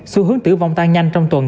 xu hướng tử vong tăng nhanh trong tuần